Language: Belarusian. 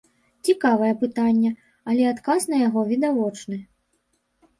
Цікавае пытанне, але адказ на яго відавочны.